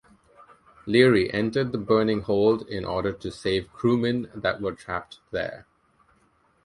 Leary entered the burning hold in order to save crewmen that were trapped there.